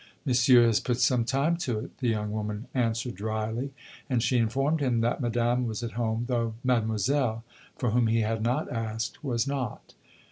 "Monsieur has put some time to it!" the young woman answered dryly. And she informed him that Madame was at home, though Mademoiselle, for whom he had not asked, was not.